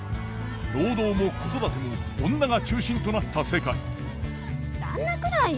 労働も子育ても女が中心となった世界旦那くらいよ。